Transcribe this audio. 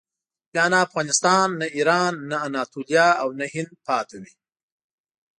بیا نه افغانستان، نه ایران، نه اناتولیه او نه هند پاتې وي.